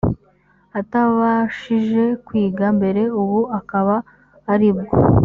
atabashije kwiga mbere ubu akaba aribwo